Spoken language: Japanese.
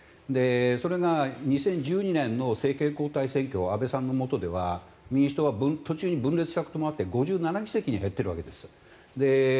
それが２０１２年の政権交代選挙安倍さんのもとでは民主党は途中に分裂したこともあって５７議席に減っているわけです。